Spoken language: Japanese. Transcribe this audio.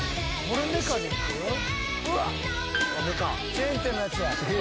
チェーン店のやつや。